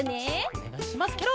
おねがいしますケロ！